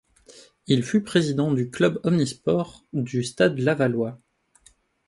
Il fut président du club omnisports du Stade lavallois.